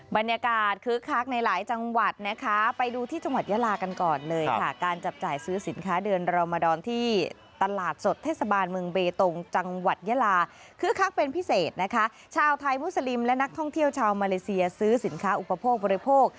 บรรยากาศคึกคักในหลายจังหวัดนะคะไปดูที่จังหวัดยาลากันก่อนเลยค่ะการจับจ่ายซื้อสินค้าเดือนรอมดอนที่ตลาดสดเทศบาลเมืองเบตงจังหวัดยาลาคึกคักเป็นพิเศษนะคะชาวไทยมุสลิมและนักท่องเที่ยวชาวมาเลเซียซื้อสินค้าอุปโภคบริโภค